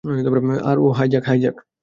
আর ও আইজ্যাক, হ্যাঁ আইজ্যাক!